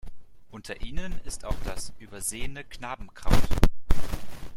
Unter ihnen ist auch das Übersehene Knabenkraut.